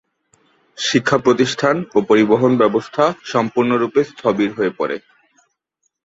শিক্ষাপ্রতিষ্ঠান ও পরিবহন ব্যবস্থা সম্পূর্ণরূপে স্থবির হয়ে পড়ে।